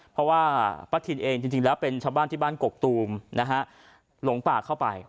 เพราะว่าป้าทินเองจริงแล้วเป็นชาวบ้านที่บ้านกกตูมนะฮะหลงป่าเข้าไป